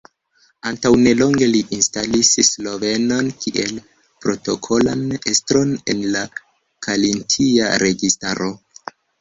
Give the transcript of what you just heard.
Antaŭ nelonge li instalis slovenon kiel protokolan estron en la karintia registaro.